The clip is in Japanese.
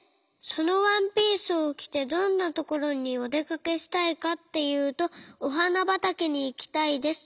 そのワンピースをきてどんなところにおでかけしたいかっていうとおはなばたけにいきたいです。